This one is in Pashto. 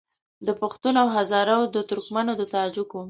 د پښتون او هزاره وو د ترکمنو د تاجکو